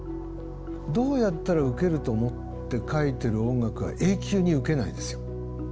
どうやったら受けると思って書いてる音楽は永久に受けないですよ。